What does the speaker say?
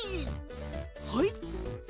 はい。